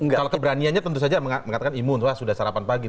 kalau keberaniannya tentu saja mengatakan imun sudah sarapan pagi